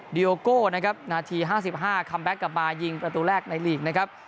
ดิโอโกนาที๕๕คัมแบ็คกับมายิงประตูแรกในลีกนะครับ